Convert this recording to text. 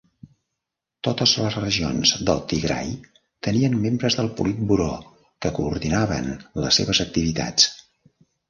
Totes les regions del Tigray tenien membres del politburó que coordinaven les seves activitats.